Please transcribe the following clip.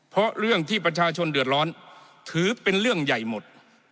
เพราะเรื่องที่ประชาชนเดือดร้อนถือเป็นเรื่องใหญ่หมด